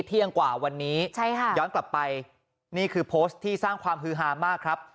เที่ยงกว่าวันนี้ใช่ค่ะย้อนกลับไปนี่คือโพสต์ที่สร้างความฮือฮามากครับ